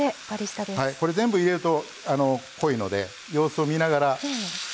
これ全部入れると濃いので様子を見ながら。